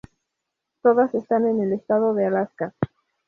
Todas están en el estado de Alaska.